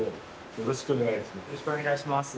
よろしくお願いします。